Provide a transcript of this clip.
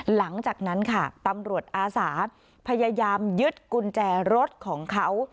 หลังจากนั้นค่ะตำรวจอาสาพยายามยึดกุญแจรถของเขา